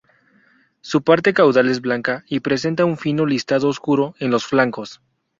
Su parte caudal es blanca y presenta un fino listado oscuro en los flancos.